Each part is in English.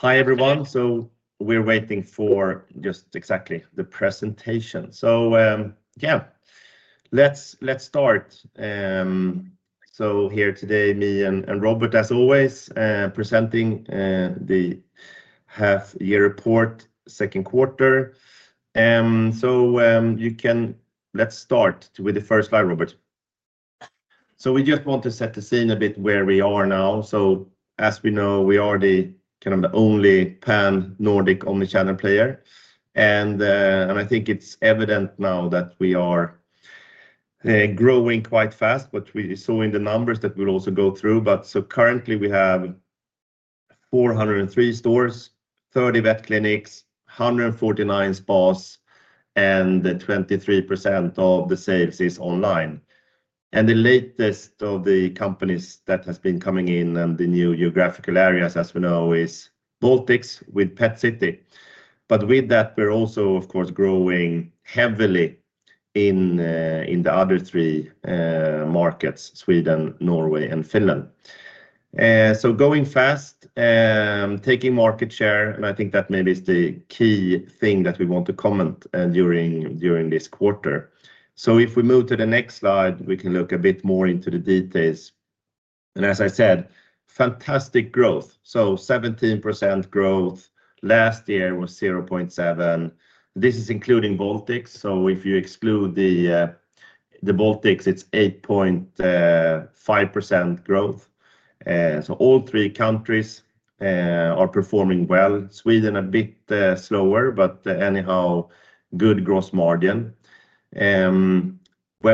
Hi, everyone. We're waiting for just exactly the presentation. Let's start. Here today, me and Robert, as always, presenting the half-year report, second quarter. You can let's start with the first slide, Robert. We just want to set the scene a bit where we are now. As we know, we are the kind of the only pan-Nordic omnichannel player. I think it's evident now that we are growing quite fast, which we saw in the numbers that we'll also go through. Currently, we have 403 stores, 30 vet clinics, 149 spas, and 23% of the sales is online. The latest of the companies that has been coming in and the new geographical areas, as we know, is Baltics with PetCity. With that, we're also, of course, growing heavily in the other three markets: Sweden, Norway, and Finland. Going fast, taking market share, and I think that maybe is the key thing that we want to comment during this quarter. If we move to the next slide, we can look a bit more into the details. As I said, fantastic growth. 17% growth. Last year was 0.7%. This is including Baltics. If you exclude the Baltics, it's 8.5% growth. All three countries are performing well. Sweden is a bit slower, but anyhow, good gross margin. When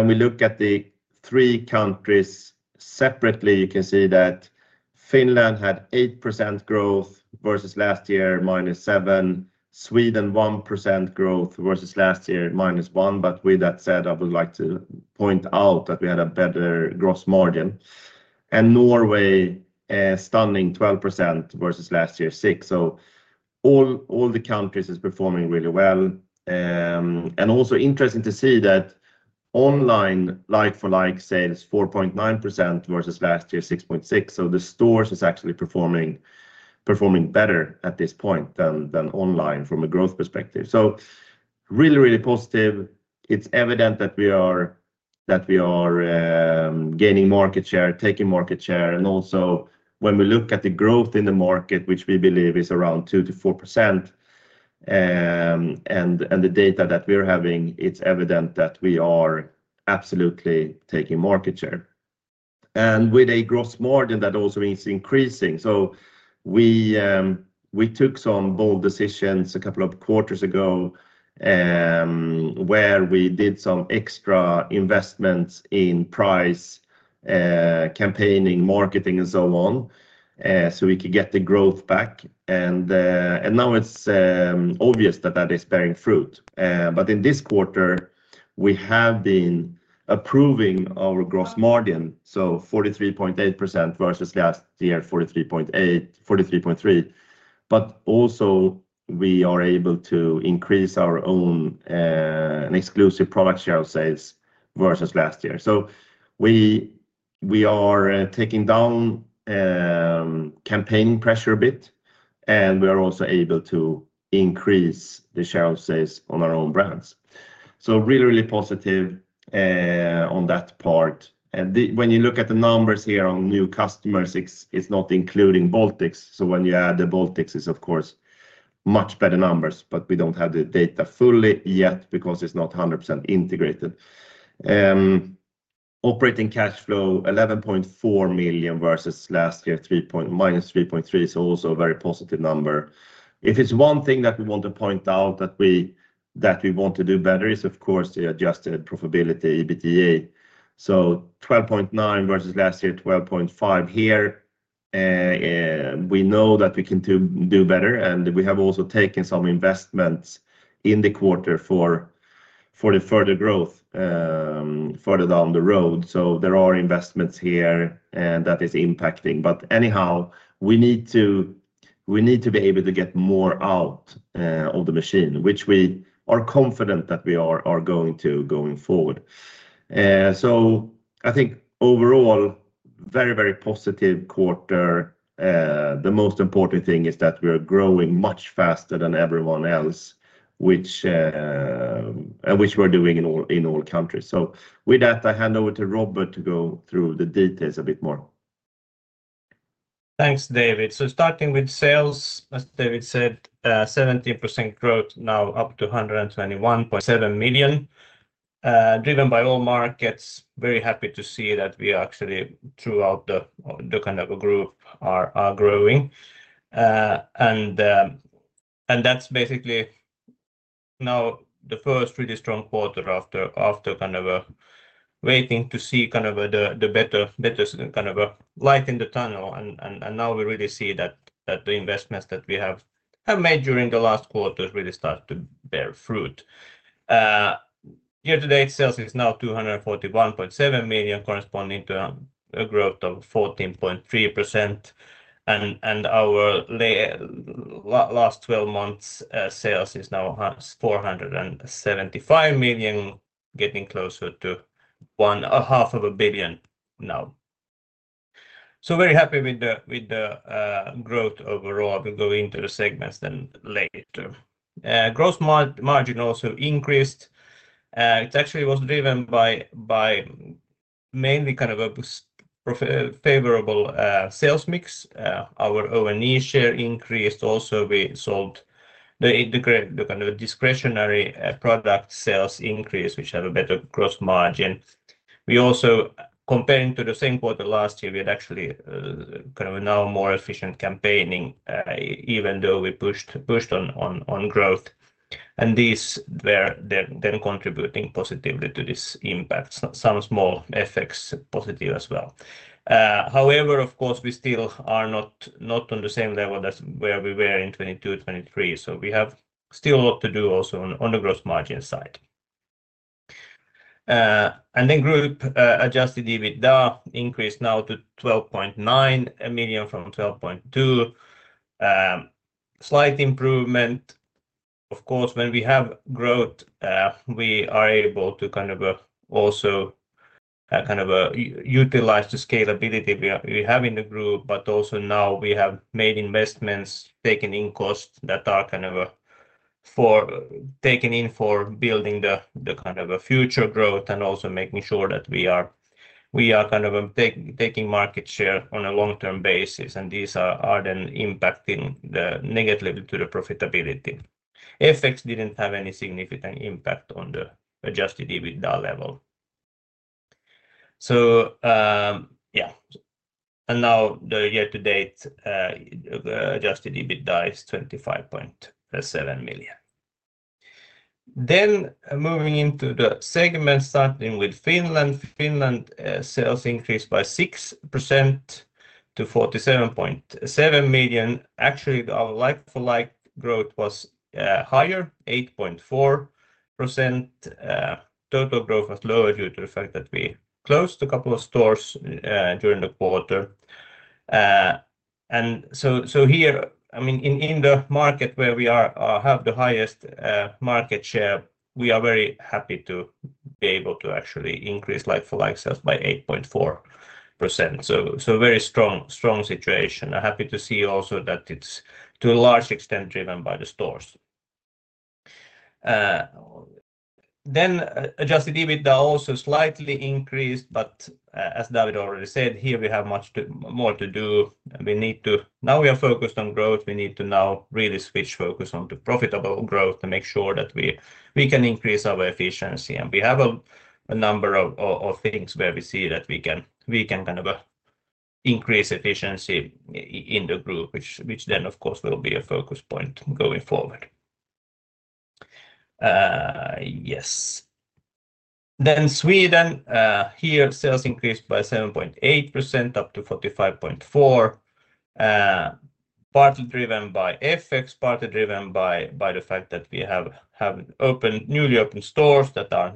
we look at the three countries separately, you can see that Finland had 8% growth versus last year, -7. Sweden, 1% growth versus last year, -1. With that said, I would like to point out that we had a better gross margin. Norway, a stunning 12% versus last year, 6%. All the countries are performing really well. Also interesting to see that online like-for-like sales, 4.9% versus last year, 6.6%. The stores are actually performing better at this point than online from a growth perspective. Really, really positive. It's evident that we are gaining market share, taking market share. Also, when we look at the growth in the market, which we believe is around 2% - 4%, and the data that we're having, it's evident that we are absolutely taking market share. With a gross margin that also is increasing. We took some bold decisions a couple of quarters ago where we did some extra investments in price, campaigning, marketing, and so on so we could get the growth back. Now it's obvious that that is bearing fruit. In this quarter, we have been improving our gross margin. 43.8% versus last year, 43.3%. We are also able to increase our own exclusive product share of sales versus last year. We are taking down campaign pressure a bit, and we are also able to increase the share of sales on our own brands. Really, really positive on that part. When you look at the numbers here on new customers, it's not including Baltics. When you add the Baltics, it's, of course, much better numbers. We don't have the data fully yet because it's not 100% integrated. Operating cash flow, 11.4 million versus last year, -3.3%. Also a very positive number. If it's one thing that we want to point out that we want to do better, it's, of course, the adjusted profitability, EBITDA. 12.9% versus last year, 12.5% here. We know that we can do better. We have also taken some investments in the quarter for the further growth further down the road. There are investments here that are impacting. Anyhow, we need to be able to get more out of the machine, which we are confident that we are going to going forward. I think overall, very, very positive quarter. The most important thing is that we're growing much faster than everyone else, which we're doing in all countries. With that, I hand over to Robert to go through the details a bit more. Thanks, David. Starting with sales, as David said, 17% growth now up to 121.7 million. Driven by all markets, very happy to see that we are actually, throughout the kind of a group, are growing. That's basically now the first really strong quarter after kind of a waiting to see kind of the better kind of a light in the tunnel. Now we really see that the investments that we have made during the last quarter really start to bear fruit. Year-to-date sales is now 241.7 million, corresponding to a growth of 14.3%. Our last 12 months' sales is now 475 million, getting closer to one half of a billion now. Very happy with the growth overall. We'll go into the segments then later. Gross margin also increased. It actually was driven by mainly kind of a favorable sales mix. Our niche share increased. Also, we sold the kind of a discretionary product sales increase, which had a better gross margin. Comparing to the same quarter last year, we had actually kind of now more efficient campaigning, even though we pushed on growth. These were then contributing positively to this impact. Some small effects positive as well. However, of course, we still are not on the same level as where we were in 2022, 2023. We have still a lot to do also on the gross margin side. Group Adjusted EBITDA increased now to 12.9 million from 12.2 million. Slight improvement. Of course, when we have growth, we are able to kind of also kind of utilize the scalability we have in the group. Also now we have made investments, taken in costs that are kind of taken in for building the kind of future growth and also making sure that we are kind of taking market share on a long-term basis. These are then impacting negatively to the profitability. Effects didn't have any significant impact on the Adjusted EBITDA level. Now the year-to-date Adjusted EBITDA is 25.7 million. Moving into the segments, starting with Finland. Finland sales increased by 6% to 47.7 million. Actually, our like-for-like growth was higher, 8.4%. Total growth was lower due to the fact that we closed a couple of stores during the quarter. In the market where we have the highest market share, we are very happy to be able to actually increase like-for-like sales by 8.4%. Very strong situation. I'm happy to see also that it's to a large extent driven by the stores. Adjusted EBITDA also slightly increased. As David already said, here we have much more to do. We need to now focus on growth. We need to now really switch focus onto profitable growth to make sure that we can increase our efficiency. We have a number of things where we see that we can increase efficiency in the group, which will be a focus point going forward. Sweden: Here, sales increased by 7.8% up to 45.4 million. This was partly driven by FX effects, partly driven by the fact that we have newly opened stores that are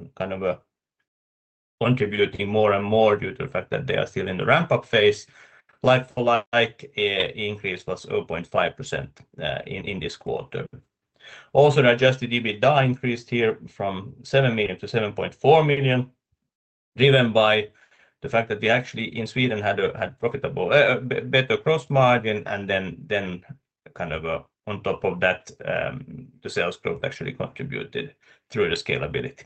contributing more and more due to the fact that they are still in the ramp-up phase. Like-for-like increase was 0.5% in this quarter. Also, the Adjusted EBITDA increased here from 7 million to 7.4 million, driven by the fact that we actually in Sweden had a better gross margin. On top of that, the sales growth contributed through the scalability.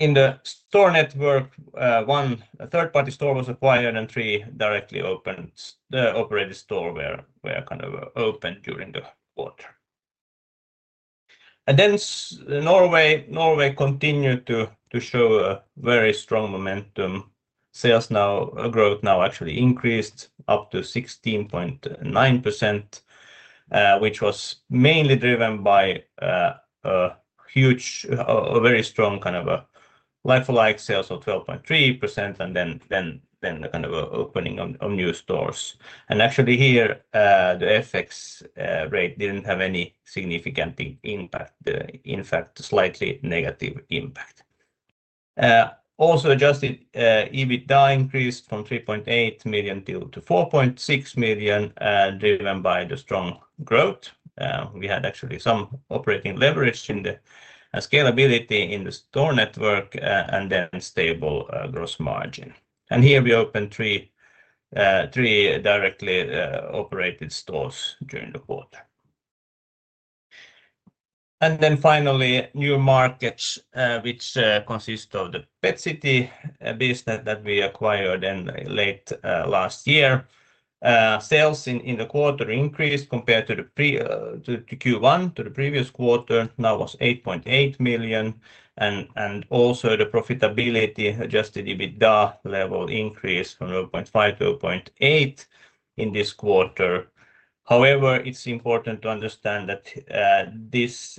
In the store network, one third-party store was acquired and three directly operated stores were opened during the quarter. Norway continued to show very strong momentum. Sales growth actually increased up to 16.9%, which was mainly driven by a very strong like-for-like sales of 12.3% and the opening of new stores. The FX rate did not have any significant impact; in fact, it had a slightly negative impact. Also, Adjusted EBITDA increased from 3.8 million to 4.6 million, driven by the strong growth. We had some operating leverage in the scalability in the store network and a stable gross margin. Here we opened three directly operated stores during the quarter. Finally, new markets, which consist of the PetCity business that we acquired late last year. Sales in the quarter increased compared to the Q1 to the previous quarter. Now it was 8.8 million. Also, the profitability at Adjusted EBITDA level increased from 0.5% - 0.8% in this quarter. However, it's important to understand that this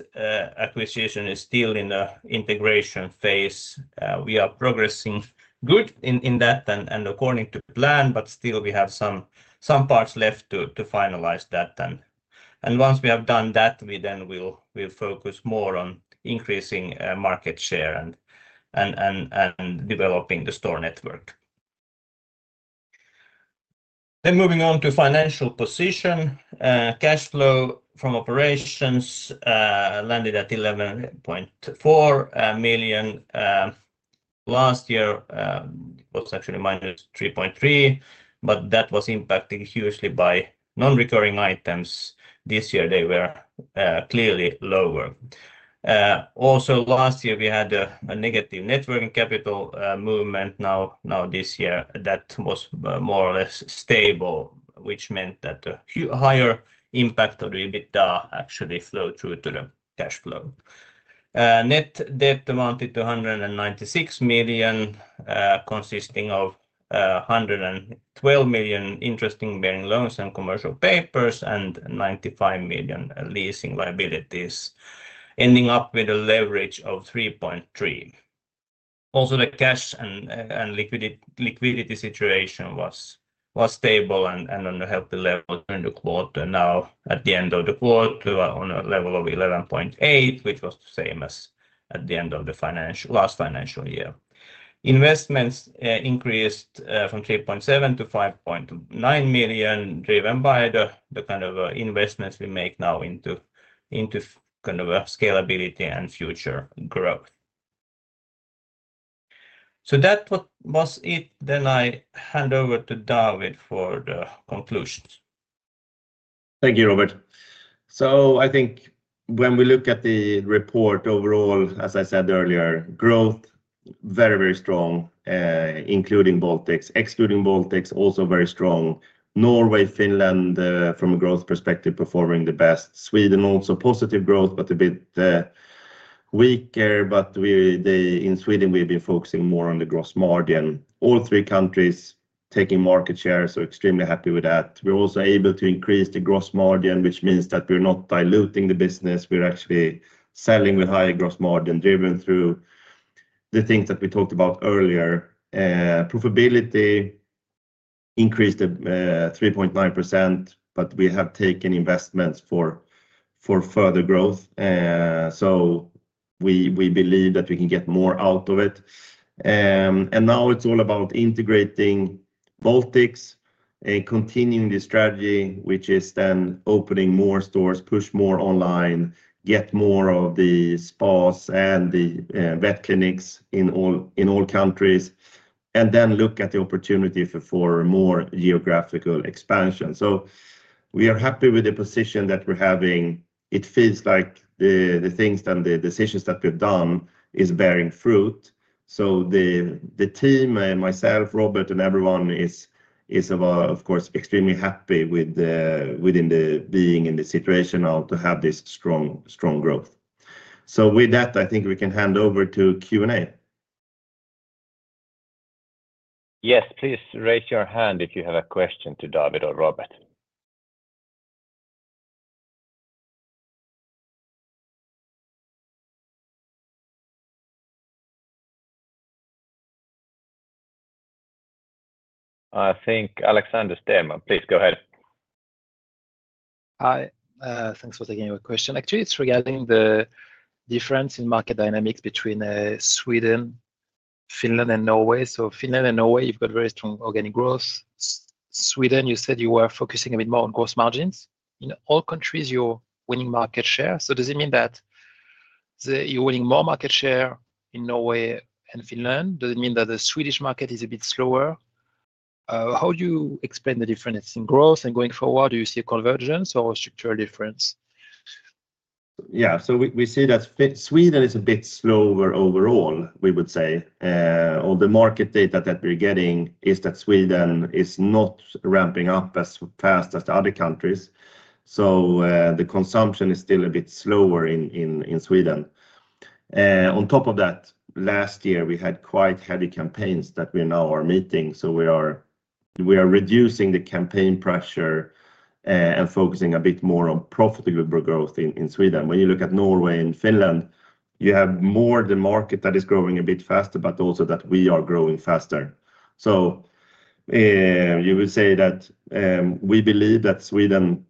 acquisition is still in the integration phase. We are progressing well in that and according to plan, but we still have some parts left to finalize. Once we have done that, we will focus more on increasing market share and developing the store network. Moving on to financial position, cash flow from operations landed at 11.4 million. Last year, it was actually -3.3 million, but that was impacted hugely by non-recurring items. This year, they were clearly lower. Also, last year, we had a negative net working capital movement. Now, this year, that was more or less stable, which meant that the higher impact of the EBITDA actually flowed through to the cash flow. Net debt amounted to 196 million, consisting of 112 million interest bearing loans and commercial papers and 95 million leasing liabilities, ending up with a leverage of 3.3. Also, the cash and liquidity situation was stable and on a healthy level during the quarter. Now, at the end of the quarter, we were on a level of 11.8%, which was the same as at the end of the last financial year. Investments increased from 3.7 million to 5.9 million, driven by the kind of investments we make now into scalability and future growth. That was it. I hand over to David for the conclusions. Thank you, Robert. I think when we look at the report overall, as I said earlier, growth very, very strong, including Baltics, excluding Baltics, also very strong. Norway, Finland, from a growth perspective, performing the best. Sweden also positive growth, but a bit weaker. In Sweden, we'll be focusing more on the gross margin. All three countries taking market shares are extremely happy with that. We're also able to increase the gross margin, which means that we're not diluting the business. We're actually selling with higher gross margin driven through the things that we talked about earlier. Profitability increased 3.9%, but we have taken investments for further growth. We believe that we can get more out of it. Now it's all about integrating Baltics and continuing the strategy, which is then opening more stores, push more online, get more of the spas and the vet clinics in all countries, and then look at the opportunity for more geographical expansion. We are happy with the position that we're having. It feels like the things and the decisions that we've done are bearing fruit. The team and myself, Robert, and everyone is, of course, extremely happy with being in the situation now to have this strong, strong growth. With that, I think we can hand over to Q&A. Yes, please raise your hand if you have a question to David or Robert. I think Alexander Stenman, please go ahead. Hi. Thanks for taking your question. Actually, it's regarding the difference in market dynamics between Sweden, Finland, and Norway. Finland and Norway, you've got very strong organic growth. Sweden, you said you were focusing a bit more on gross margins. In all countries, you're winning market share. Does it mean that you're winning more market share in Norway and Finland? Does it mean that the Swedish market is a bit slower? How do you explain the difference in growth? Going forward, do you see a convergence or a structural difference? Yeah. We see that Sweden is a bit slower overall, we would say. All the market data that we're getting is that Sweden is not ramping up as fast as the other countries. The consumption is still a bit slower in Sweden. On top of that, last year, we had quite heavy campaigns that we now are meeting. We are reducing the campaign pressure and focusing a bit more on profitable growth in Sweden. When you look at Norway and Finland, you have more of the market that is growing a bit faster, but also that we are growing faster. We believe that Sweden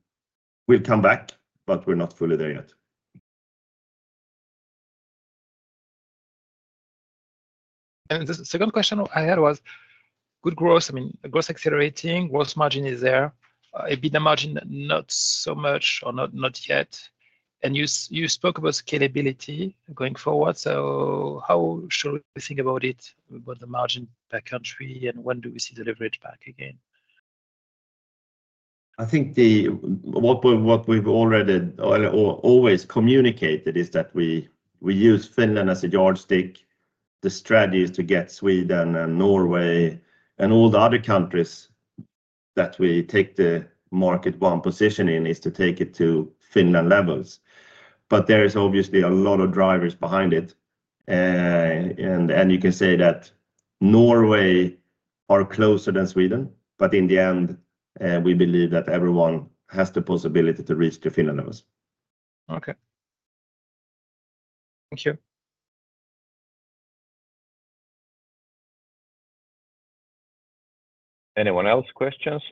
will come back, but we're not fully there yet. The second question I had was good growth. I mean, growth accelerating, gross margin is there. EBITDA margin, not so much or not yet. You spoke about scalability going forward. How should we think about it, about the margin per country? When do we see the leverage back again? I think what we've already always communicated is that we use Finland as a yardstick. The strategy is to get Sweden and Norway and all the other countries that we take the market bond position in is to take it to Finland levels. There's obviously a lot of drivers behind it. You can say that Norway is closer than Sweden. In the end, we believe that everyone has the possibility to reach the Finland levels. Okay, thank you. Anyone else? Questions?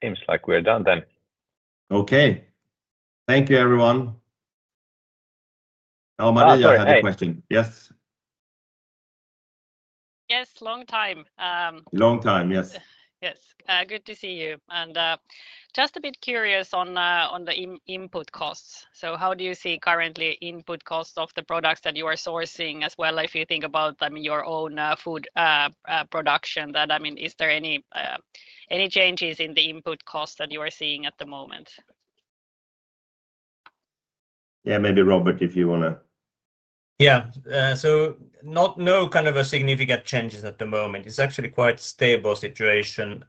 It seems like we're done then. Okay, thank you, everyone. I have a question. Yes. Yes, long time. Long time, yes. Yes, good to see you. I'm just a bit curious on the input costs. How do you see currently input costs of the products that you are sourcing as well? If you think about, I mean, your own food production, is there any changes in the input costs that you are seeing at the moment? Yeah, maybe Robert, if you want to. Yeah. No kind of significant changes at the moment. It's actually quite a stable situation.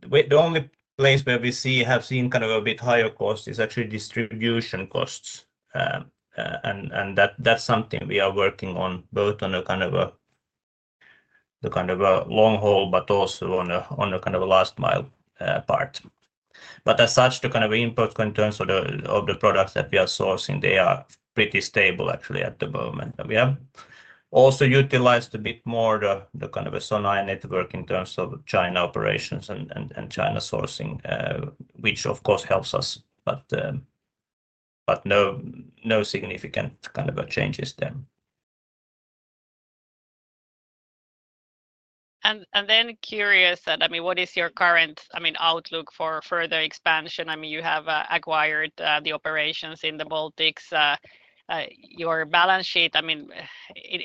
The only place where we have seen kind of a bit higher cost is actually distribution costs. That's something we are working on both on a kind of a long haul, but also on a kind of a last mile part. As such, the kind of inputs in terms of the products that we are sourcing, they are pretty stable, actually, at the moment. We have also utilized a bit more the kind of a Sonae network in terms of China operations and China sourcing, which, of course, helps us. No significant kind of changes there. What is your current outlook for further expansion? You have acquired the operations in the Baltics. Your balance sheet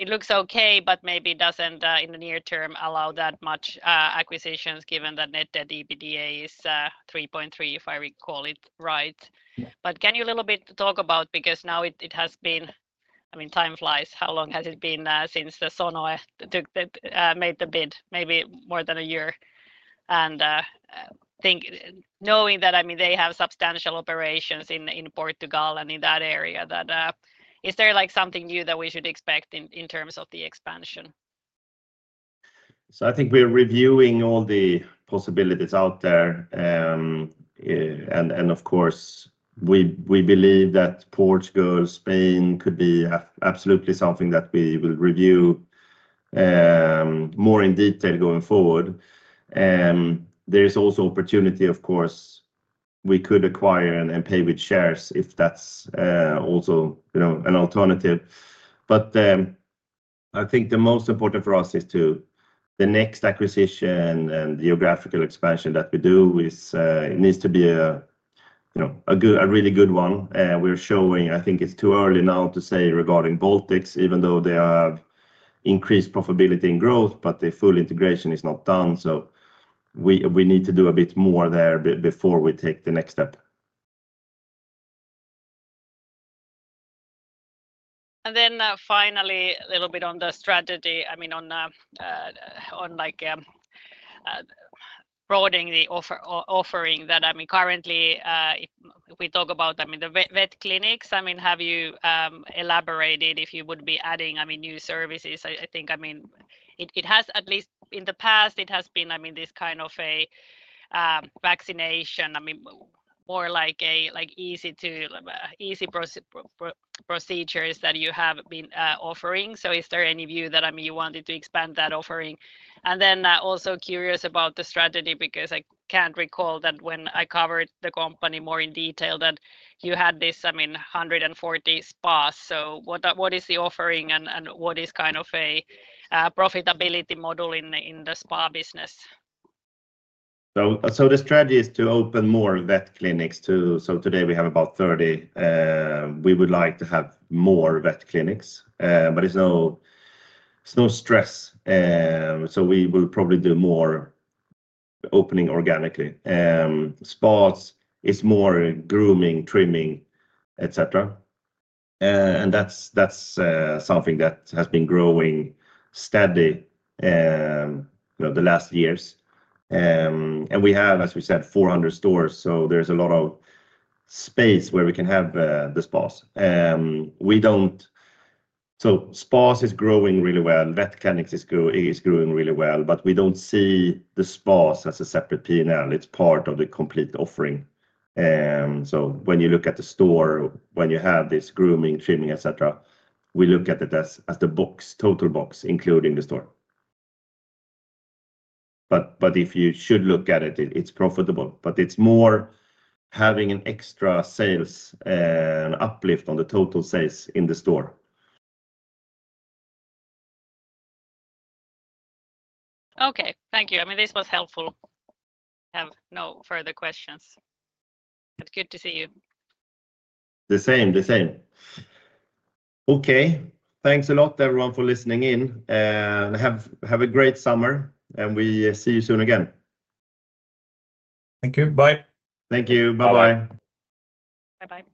looks okay, but maybe it doesn't, in the near term, allow that much acquisitions given that net debt/EBITDA is 3.3%, if I recall it right. Can you talk about, because now it has been, time flies, how long has it been since the Sonae made the bid? Maybe more than a year. I think knowing that they have substantial operations in Portugal and in that area, is there something new that we should expect in terms of the expansion? I think we're reviewing all the possibilities out there. Of course, we believe that Portugal, Spain could be absolutely something that we will review more in detail going forward. There is also opportunity, of course, we could acquire and pay with shares if that's also an alternative. I think the most important for us is the next acquisition and geographical expansion that we do, it needs to be a really good one. We're showing, I think it's too early now to say regarding Baltics, even though they have increased profitability and growth, but the full integration is not done. We need to do a bit more there before we take the next step. Finally, a little bit on the strategy, on broadening the offering. Currently, we talk about the vet clinics. Have you elaborated if you would be adding new services? I think at least in the past, it has been this kind of a vaccination, more like easy to easy procedures that you have been offering. Is there any view that you wanted to expand that offering? Also curious about the strategy because I can't recall that when I covered the company more in detail that you had this 140 spas. What is the offering and what is kind of a profitability model in the spa business? The strategy is to open more vet clinics. Today we have about 30. We would like to have more vet clinics, but it's no stress. We will probably do more opening organically. Spas is more grooming, trimming, etcetera, and that's something that has been growing steadily the last years. We have, as we said, 400 stores, so there's a lot of space where we can have the spas. Spas is growing really well. Vet clinics is growing really well. We don't see the spas as a separate P&L. It's part of the complete offering. When you look at the store, when you have this grooming, trimming, etcetera, we look at it as the box, total box, including the store. If you should look at it, it's profitable, but it's more having an extra sales uplift on the total sales in the store. Okay. Thank you. I mean, this was helpful. I have no further questions. Good to see you. Thanks a lot, everyone, for listening in. Have a great summer. We see you soon again. Thank you. Bye. Thank you. Bye-bye. Bye-bye.